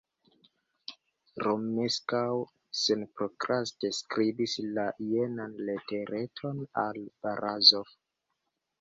Romeskaŭ senprokraste skribis la jenan letereton al Barazof.